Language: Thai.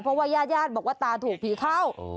เพราะว่าย่าบอกว่าตาถูกผีเข้า